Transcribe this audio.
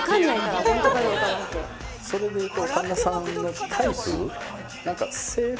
それでいうと。